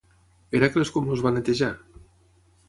Hèracles com els va netejar?